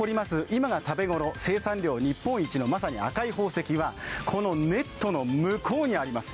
今が食べ頃、生産量日本一のまさに赤い宝石は、このネットの向こうにあります。